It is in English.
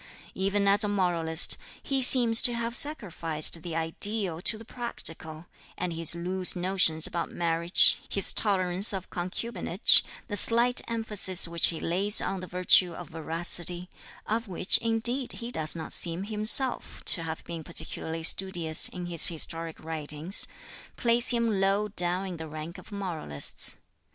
Even as a moralist, he seems to have sacrificed the ideal to the practical, and his loose notions about marriage, his tolerance of concubinage, the slight emphasis which he lays on the virtue of veracity of which indeed he does not seem himself to have been particularly studious in his historic writings place him low down in the rank of moralists.